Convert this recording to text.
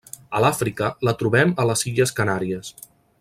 A l'Àfrica la trobem a les Illes Canàries.